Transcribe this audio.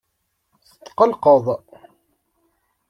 Tqelqeḍ?